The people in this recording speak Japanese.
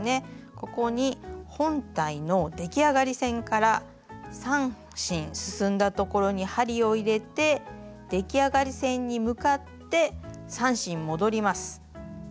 ここに本体の出来上がり線から３針進んだところに針を入れて出来上がり線に向かって３針戻ります。